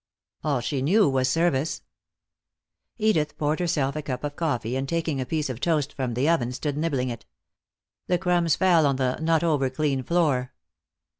All she knew was service. Edith poured herself a cup of coffee, and taking a piece of toast from the oven, stood nibbling it. The crumbs fell on the not over clean floor.